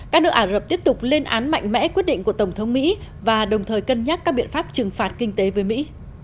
các nước ả rập tiếp tục lên án mạnh mẽ quyết định của tổng thống mỹ và đồng thời cân nhắc các biện pháp trừng phạt kinh tế với mỹ